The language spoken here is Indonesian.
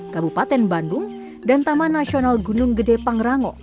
kabupaten bandung dan taman nasional gunung gede pangrango